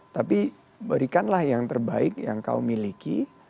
tapi berikanlah yang terbaik yang kau miliki